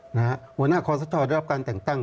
หัวหน้าคอสชได้รับการแต่งตั้ง